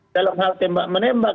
dalam hal tembak menembak